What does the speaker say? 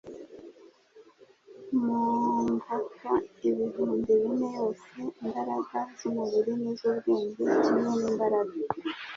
Mu mvaka ibihumbi bine yose imbaraga z'umubiri n'iz'ubwenge kimwe n'imbaraga,